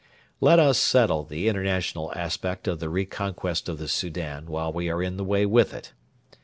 Let us settle the international aspect of the reconquest of the Soudan while we are in the way with it.